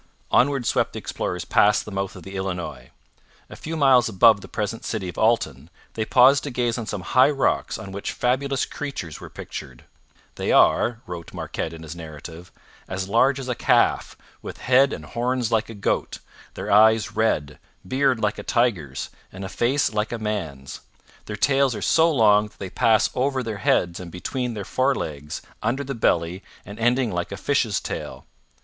Onward swept the explorers past the mouth of the Illinois. A few miles above the present city of Alton they paused to gaze on some high rocks on which fabulous creatures were pictured. 'They are,' wrote Marquette in his narrative, 'as large as a calf, with head and horns like a goat; their eyes red; beard like a tiger's, and a face like a man's. Their tails are so long that they pass over their heads and between their forelegs, under the belly, and ending like a fish's tail.